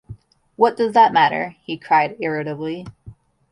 “What does that matter!” he cried irritably.